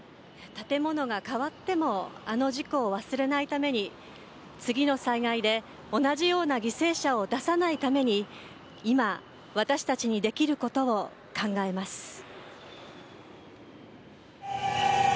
建物が変わってもあの事故を忘れないために次の災害で同じような犠牲者を出さないために今、私たちにできることを考えます。